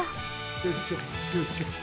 よいしょよいしょ。